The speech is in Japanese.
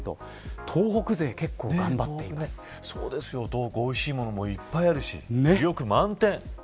東北、おいしいものもいっぱいあるし魅力満点。